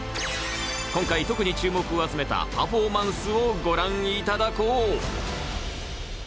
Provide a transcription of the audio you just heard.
今回特に注目を集めたパフォーマンスをご覧いただこう。